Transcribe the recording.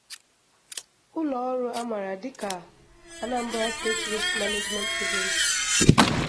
ụlọ ọrụ a maara dịka 'Anambra State Waste Management Agency